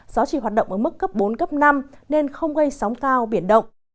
gió chỉ hoạt động ở mức cấp bốn cấp năm nên không gây sóng cao biển động